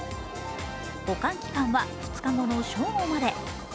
保管期間は２日後の正午まで。